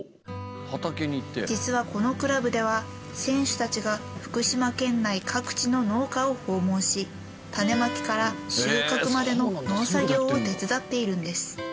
実はこのクラブでは選手たちが福島県内各地の農家を訪問し種まきから収穫までの農作業を手伝っているんです。